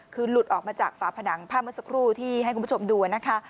คือหลุดออกมาจากฝาผนังภาพเมื่อสักครู่ที่ให้คุณผู้ชมดูนะคะ